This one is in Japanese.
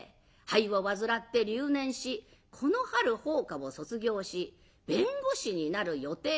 肺を患って留年しこの春法科を卒業し弁護士になる予定の２８歳。